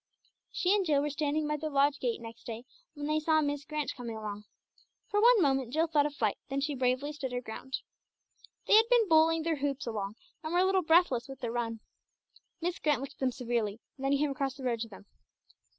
She and Jill were standing by their lodge gate next day when they saw Miss Grant coming along. For one moment Jill thought of flight, then she bravely stood her ground. They had been bowling their hoops along, and were a little breathless with their run. Miss Grant looked at them severely, then came across the road to them.